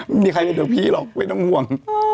ไม่มีใครเหลือผีหรอกไม่ต้องห่วง